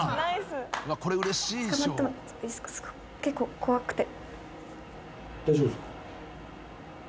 結構怖くて。